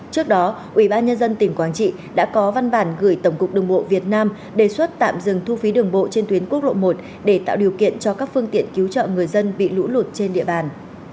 trước đó ubnd tỉnh quảng trị đã có văn bản gửi tổng cục đường bộ việt nam đề xuất tạm dừng thu phí đường bộ trên tuyến quốc lộ một để tạo điều kiện cho các phương tiện cứu trợ người dân bị lũ lụt trên địa bàn